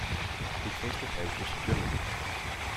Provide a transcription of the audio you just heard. She traced her heritage to Germany.